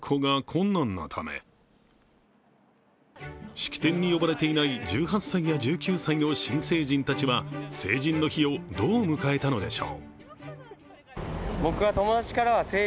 式典に呼ばれていない１８歳や１９歳の新成人たちは成人の日をどう迎えたのでしょう。